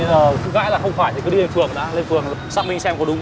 có người nhà bố mẹ gì không